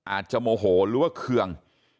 อาจจะโมโหหรือว่าเคือง